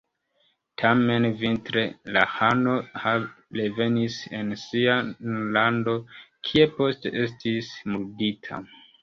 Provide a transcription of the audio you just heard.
Tamen vintre la ĥano revenis en sian landon, kie poste estis murdita.